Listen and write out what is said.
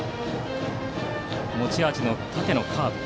持ち味の縦のカーブ。